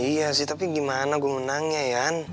iya sih tapi gimana gue menangnya ya